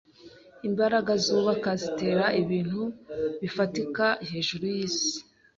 Imbaraga zubaka zitera ibintu bifatika hejuru yisi